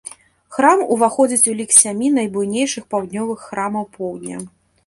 Храм уваходзіць у лік сямі найбуйнейшых паўднёвых храмаў поўдня.